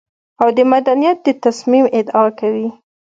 او د مدنيت د تصميم ادعا کوي.